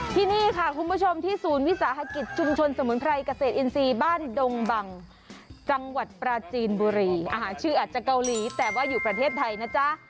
ที่นี่ค่ะคุณผู้ชมที่ศูนย์วิสาหกิจชุมชนสมุนไพรเกษตรอินทรีย์บ้านดงบังจังหวัดปราจีนบุรีอาหารชื่ออาจจะเกาหลีแต่ว่าอยู่ประเทศไทยนะจ๊ะ